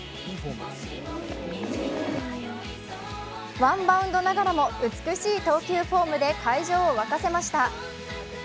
ワンバウンドながらも美しい投球フォームで会場を沸かせました。